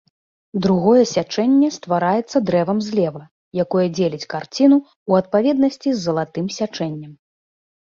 Другое сячэнне ствараецца дрэвам злева, якое дзеліць карціну ў адпаведнасці з залатым сячэннем.